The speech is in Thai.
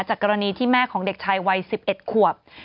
กรณีที่แม่ของเด็กชายวัย๑๑ขวบ